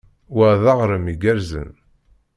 Wa d aɣrem igerrzen.